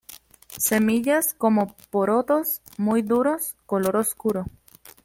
Semillas como porotos, muy duros, color oscuro.